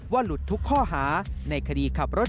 หลุดทุกข้อหาในคดีขับรถ